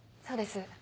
そうです。